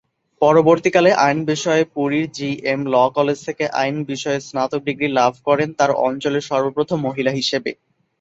পরবর্তীকালে আইন বিষয়ে পুরী’র জিএম ল কলেজ থেকে আইন বিষয়ে স্নাতক ডিগ্রী লাভ করেন তার অঞ্চলের সর্বপ্রথম মহিলা হিসেবে।